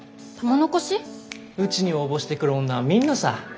うちに応募してくる女はみんなさ。